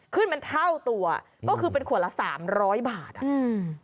ขึ้นเป็นเท่าตัวก็คือเป็นขวดละสามร้อยบาทอ่ะอืม